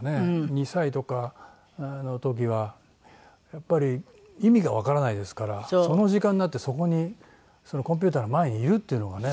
２歳とかの時はやっぱり意味がわからないですからその時間になってそこにコンピューターの前にいるっていうのがね